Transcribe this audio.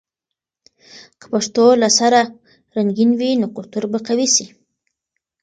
که پښتو له سره رنګین وي، نو کلتور به قوي سي.